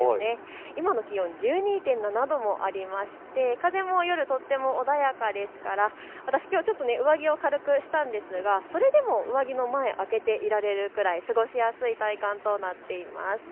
今の気温、１２．７度もありまして風も夜とっても穏やかですから、私、上着を軽くしたんですがそれでも上着の前を開けていられるくらい過ごしやすい体感となっています。